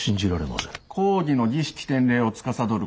公儀の儀式典礼をつかさどる